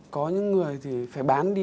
có những người thì phải bán đi